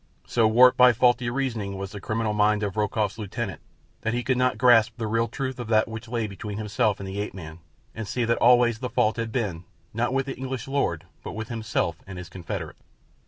So warped by faulty reasoning was the criminal mind of Rokoff's lieutenant that he could not grasp the real truth of that which lay between himself and the ape man and see that always the fault had been, not with the English lord, but with himself and his confederate.